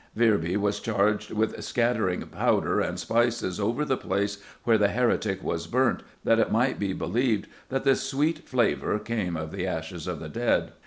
Virby was charged with scattering "powder and spices over the place where the heretic was burnt that it might be believed that the sweet flavour came of the ashes of the dead."